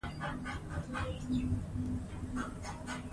د ولس ملاتړ د مشروعیت د دوام ضامن دی